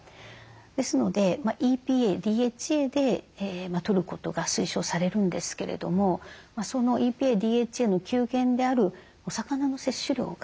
ですのでＥＰＡＤＨＡでとることが推奨されるんですけれどもそのＥＰＡＤＨＡの給源であるお魚の摂取量が